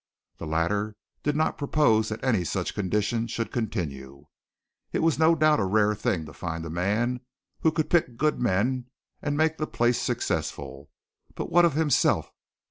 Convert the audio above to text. The latter did not propose that any such condition should continue. It was no doubt a rare thing to find a man who could pick good men and make the place successful, but what of himself?